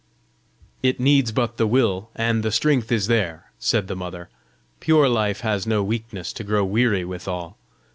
"It needs but the will, and the strength is there!" said the Mother. "Pure life has no weakness to grow weary withal.